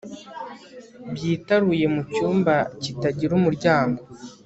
byitaruye mucyumba kitagira umuryango